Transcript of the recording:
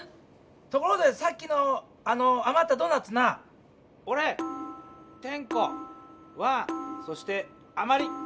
ところでさっきのあのあまったドーナツなおれテンコワンそしてあまり。